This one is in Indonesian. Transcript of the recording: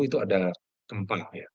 itu ada tempah ya